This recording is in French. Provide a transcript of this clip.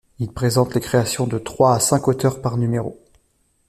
Il présente les créations de trois à cinq auteurs par numéro.